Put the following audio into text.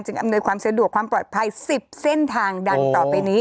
อำนวยความสะดวกความปลอดภัย๑๐เส้นทางดังต่อไปนี้